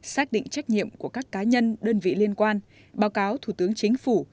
xác định trách nhiệm của các cá nhân đơn vị liên quan báo cáo thủ tướng chính phủ